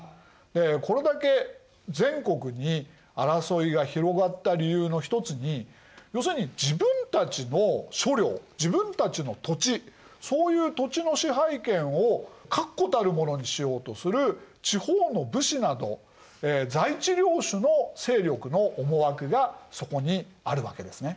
でこれだけ全国に争いが広がった理由のひとつに要するに自分たちの所領自分たちの土地そういう土地の支配権を確固たるものにしようとする地方の武士など在地領主の勢力の思惑がそこにあるわけですね。